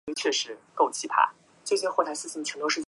隶属于军政部。